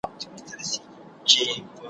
زه په تا پسي ځان نه سم رسولای `